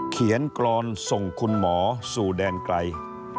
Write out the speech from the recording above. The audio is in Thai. กรอนส่งคุณหมอสู่แดนไกล